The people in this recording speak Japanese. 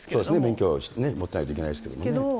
そうですね、免許持ってないといけないですけどね。